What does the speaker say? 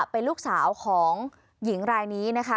เป็นลูกสาวของหญิงรายนี้นะคะ